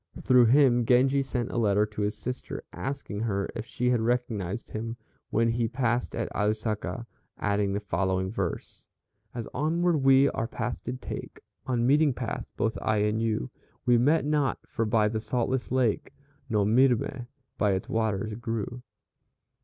Through him Genji sent a letter to his sister, asking her if she had recognized him when he passed at Ausaka, adding the following verse: "As onward we our way did take, On Meeting Path, both I and you, We met not, for by the saltless lake, No milme by its waters grew."